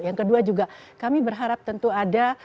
yang kedua juga kami berharap tentu ada